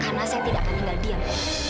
karena saya tidak akan tinggal diam